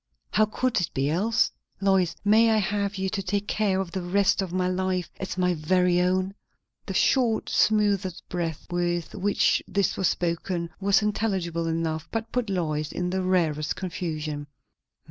How could it be else? Lois, may I have you, to take care of the rest of my life, as my very own?" The short, smothered breath with which this was spoken was intelligible enough, and put Lois in the rarest confusion.